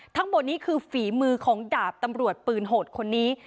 ทั้งหมดนี้คือฝีมือของดาบตำรวจปืนโหดคนนี้